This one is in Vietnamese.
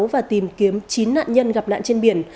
và tìm kiếm chín nạn nhân gặp nạn trên biển